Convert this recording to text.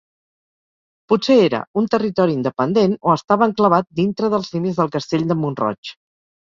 Potser era un territori independent o estava enclavat dintre dels límits del castell de Mont-roig.